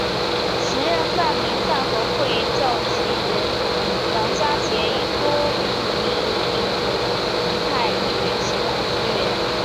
时任泛民饭盒会召集人梁家杰与多名民主派议员前往支援。